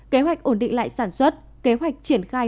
kế hoạch ổn định lại sản xuất kế hoạch triển khai